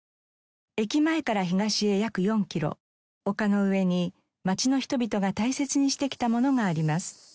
駅前から東へ約４キロ丘の上に町の人々が大切にしてきたものがあります。